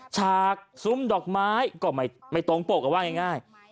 ฉากซุ่มดอกไม้ไม่ตรงเปล่าก็ง่าย